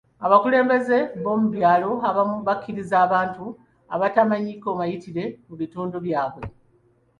Abakulembeze b'omu byalo abamu bakkiriza abantu abatamanyiiko mayitire mu bitundu byabwe.